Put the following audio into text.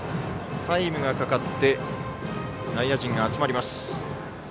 タイムがかかって内野陣が集まります。